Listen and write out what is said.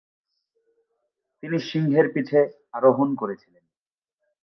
তিনি সিংহের পিঠে আরোহণ করেছিলেন।